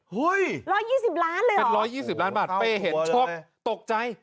๑๒๐หุ้ย๑๒๐ล้านเลยเหรอเป็น๑๒๐ล้านบาทเป้เห็นช็อคตกใจ